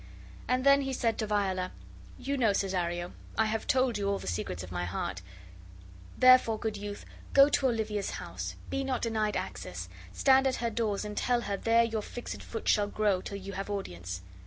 And then he said to Viola: "You know, Cesario, I have told you all the secrets of my heart; therefore, good youth, go to Olivia's house. Be not denied access; stand at her doors and tell her there your fixed foot shall grow till you have audience."